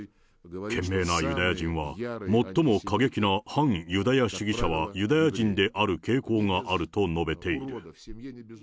懸命なユダヤ人は、最も過激な反ユダヤ主義者はユダヤ人である傾向があると述べている。